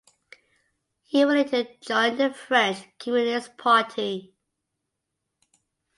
He would later join the French Communist Party.